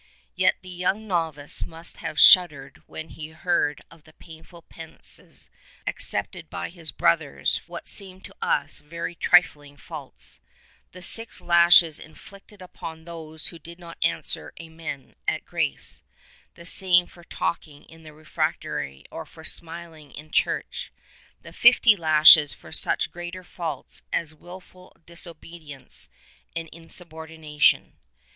Yet the young novice must have shuddered when he heard of the painful penances ac cepted by his brothers for what seem to us very trifling faults : the six lashes inflicted upon those who did not answer Amen at grace ; the same for talking in the refectory or for smiling in church ; the fifty lashes for such greater faults as wilful 142 disobedience and insubordination.